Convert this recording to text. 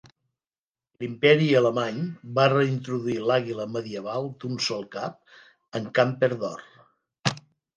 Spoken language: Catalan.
L'imperi Alemany va reintroduir l'àguila medieval d'un sol cap en camper d'or.